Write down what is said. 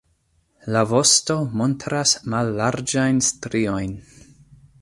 La vosto montras mallarĝajn striojn.